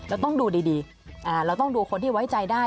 เราต้องดูดีเราต้องดูคนที่ไว้ใจได้